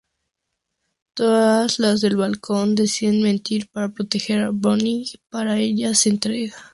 Todas las del balcón deciden mentir para proteger a Bonnie, pero ella se entrega.